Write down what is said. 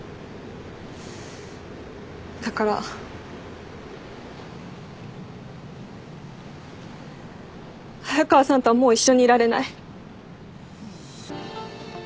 だから早川さんとはもう一緒にいられない。